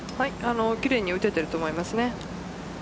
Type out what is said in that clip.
奇麗に打てていると思いますね。